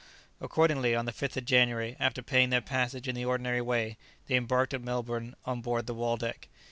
Accordingly, on the 5th of January, after paying their passage in the ordinary way, they embarked at Melbourne on board the "Waldeck."